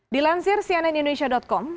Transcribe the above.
dilansir cnn indonesia com